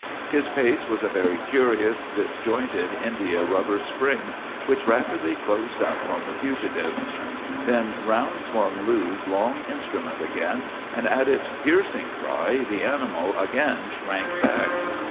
His pace was a very curious, disjointed, india rubbery spring, which rapidly closed up on the fugitives. "Then round swung Lou's long instrument again, and at its piercing cry the animal again shrank back.